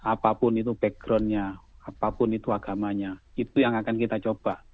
apapun itu backgroundnya apapun itu agamanya itu yang akan kita coba